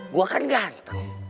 gue kan ganteng